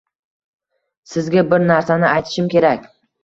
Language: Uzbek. Sizga bir narsani aytishim kerak